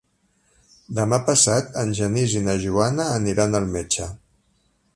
Demà passat en Genís i na Joana aniran al metge.